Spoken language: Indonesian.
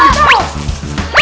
ini kita lihat